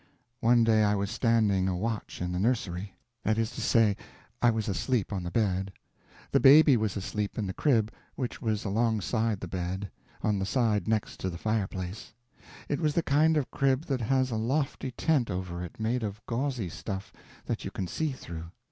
One day I was standing a watch in the nursery. That is to say, I was asleep on the bed. The baby was asleep in the crib, which was alongside the bed, on the side next the fireplace. It was the kind of crib that has a lofty tent over it made of gauzy stuff that you can see through.